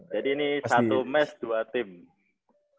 jadi ini satu mes dua tim